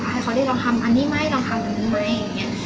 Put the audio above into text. ให้เขาได้ลองทำอันนี้ไหมลองทำอันนี้ไหมอะไรอย่างนี้